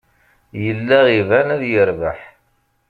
Yella iban ad yerbeḥ.